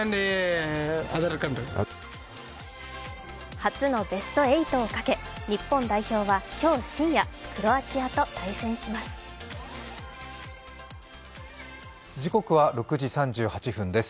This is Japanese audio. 初のベスト８をかけ日本代表は今日深夜、クロアチアと対戦します。